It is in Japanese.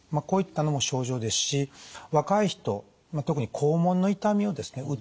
こういったのも症状ですし若い人特に肛門の痛みをですね